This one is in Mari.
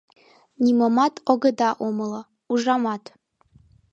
— Нимомат огыда умыло, ужамат.